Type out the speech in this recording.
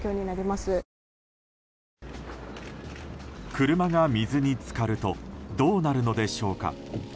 車が水に浸かるとどうなるのでしょうか。